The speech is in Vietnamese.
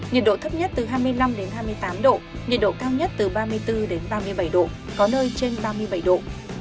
nhiệt độ thấp nhất từ hai mươi năm đến hai mươi tám độ nhiệt độ cao nhất từ ba mươi bốn ba mươi bảy độ có nơi trên ba mươi bảy độ